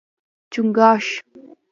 🦀 چنګاښ